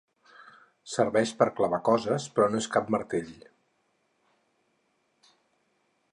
Serveix per clavar coses, però no és cap martell.